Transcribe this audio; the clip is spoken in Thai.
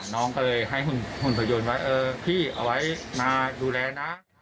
น้องก็เลยให้หุ่นพยนต์ไว้เออพี่เอาไว้มาดูแลนะ